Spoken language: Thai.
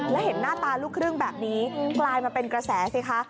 แล้วเห็นหน้าตาลูกครึ่งแบบนี้กลายมาเป็นกระแสสิคะ